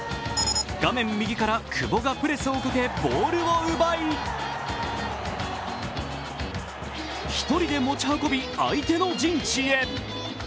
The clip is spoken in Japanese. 画面右から久保がプレスをかけボールを奪い１人で持ち運び、相手の陣地へ。